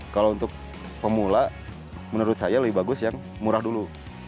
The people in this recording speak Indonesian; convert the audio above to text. kalau untuk pemula menurut saya lebih bagus yang murah dulu